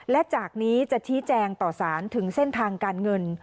และจากนี้จะชี้แจงต่อสารถึงเส้นทางการเงิน